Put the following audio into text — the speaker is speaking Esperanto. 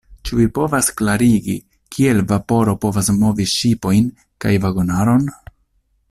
Ĉu vi povas klarigi, kiel vaporo povas movi ŝipojn kaj vagonaron?